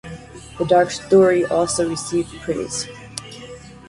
The dark story also received praise.